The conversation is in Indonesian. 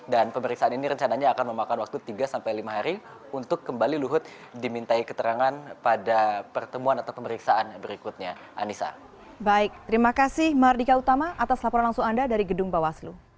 dan pemeriksaan ini rencananya akan memakan waktu tiga lima hari untuk kembali luhut dimintai keterangan pada pertemuan atau pemeriksaan berikutnya